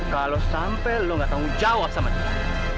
kalau sampai lo gak tanggung jawab sama dia